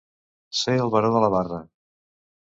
Ser el baró de la Barra.